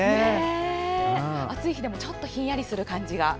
暑い日でもちょっとひんやりする感じが。